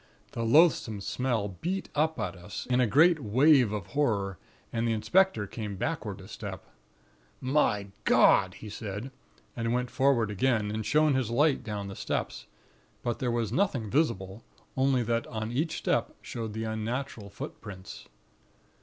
The loathsome smell beat up at us, in a great wave of horror, and the inspector came backward a step. "'My God!' he said, and went forward again, and shone his light down the steps; but there was nothing visible, only that on each step showed the unnatural footprints.